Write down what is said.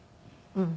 うん。